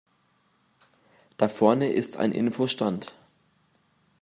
Da vorne ist ein Info-Stand.